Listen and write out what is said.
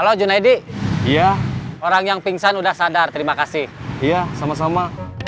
halo halo junedi iya orang yang pingsan udah sadar terima kasih iya sama sama